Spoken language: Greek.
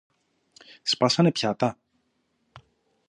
Σπάσανε πιάτα;